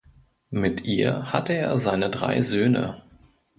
Mit ihr hatte er seine drei Söhne.